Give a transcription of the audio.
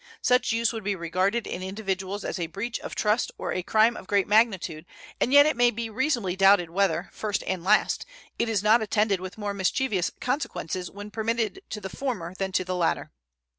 Such use would be regarded in individuals as a breach of trust or a crime of great magnitude, and yet it may be reasonably doubted whether, first and last, it is not attended with more mischievous consequences when permitted to the former than to the latter.